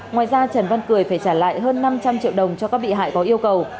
ngoài ra trần văn cười phải trả lại hơn năm trăm linh triệu đồng cho các bị hại có yêu cầu